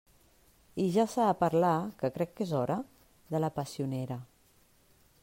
I ja s'ha de parlar —que crec que és hora— de la passionera.